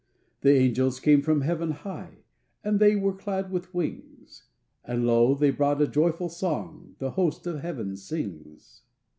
The angels came from heaven high, And they were clad with wings; And lo, they brought a joyful song The host of heaven sings.